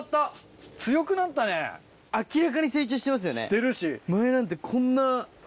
してるし。